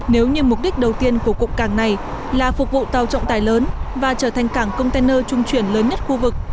nếu như mục đích đầu tiên của cụm cảng này là phục vụ tàu trọng tài lớn và trở thành cảng container trung chuyển lớn nhất khu vực